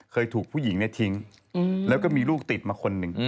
เคยถูกผู้หญิงทิ้งแล้วก็มีลูกติดมาคนหนึ่ง